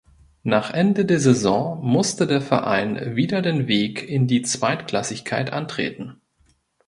Nach Ende der Saison musste der Verein wieder den Weg in die Zweitklassigkeit antreten.